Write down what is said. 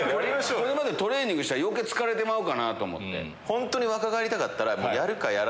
またトレーニングしたら余計疲れてまうかなと思って。